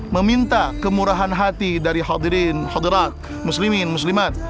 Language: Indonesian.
meminta kemurahan hati dari hadirin hadirat muslimin muslimat